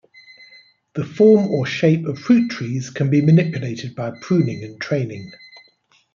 The form or shape of fruit trees can be manipulated by pruning and training.